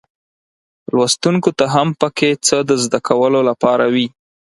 لوستونکو ته هم پکې څه د زده کولو لپاره وي.